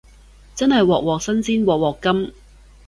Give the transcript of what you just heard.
真係鑊鑊新鮮鑊鑊甘